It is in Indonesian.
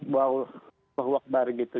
wauh berwakbar gitu